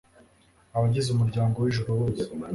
abagize umuryango w'ijuru bose.